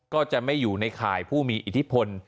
ก็จะไม่อยู่ในข่ายผู้มีอิทธิพล